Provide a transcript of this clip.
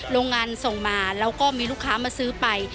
โรงงานส่งมาแล้วก็มีลูกค้ามาซื้อไป